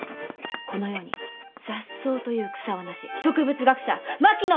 この世に雑草という草はなし植物学者槙野